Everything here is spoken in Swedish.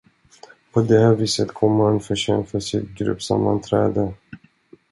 På det här viset kom han försent för sitt gruppsammanträde.